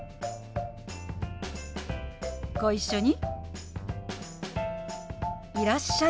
ご一緒に。